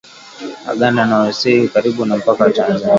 Waganda wanaoishi karibu na mpaka wa Tanzania